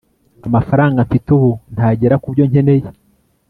amafaranga mfite ubu ntagera kubyo nkeneye